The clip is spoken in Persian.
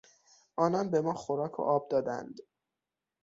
آنان به ما خوراک و آب دادند.